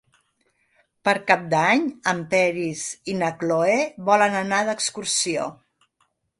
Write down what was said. Per Cap d'Any en Peris i na Cloè volen anar d'excursió.